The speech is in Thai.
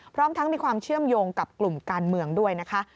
พร้อมทั้งมีความเชื่อมโยงกับกลุ่มการเมืองด้วยนะคะ